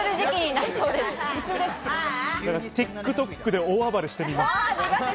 ＴｉｋＴｏｋで大暴れしてみます。